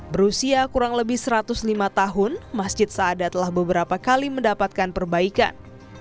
berusia kurang lebih satu ratus lima tahun masjid seada telah beberapa kali mendapatkan perbaikan